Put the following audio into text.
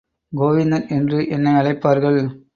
கோவிந்தன் என்று என்னை அழைப்பார்கள்.